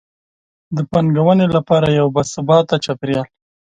د پانګونې لپاره یو باثباته چاپیریال.